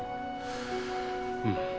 うん。